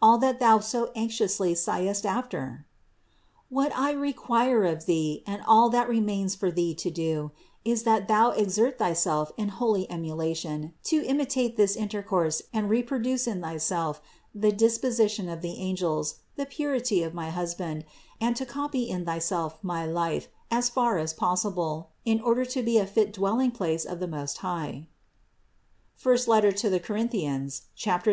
all that thou so anxiously sighest after? What I require of thee, and all that remains for thee to do, is, that thou exert thyself in holy emulation to imitate this intercourse and reproduce in thyself the disposition of the angels, the purity of my husband, and to copy in thyself my life, as far as possible, in order to be a fit dwelling place of the Most High (I Cor. 3, 17).